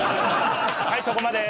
はいそこまで！